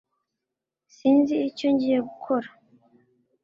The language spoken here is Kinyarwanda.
Sinzi icyo ngiye gukora